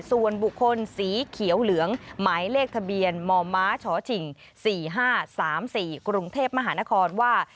ส่วนบุคคลสีเขียวเหลืองหมายเลขทะเบียนมมชฉิง๔๕๓๔กรุงเทพมหานครว่า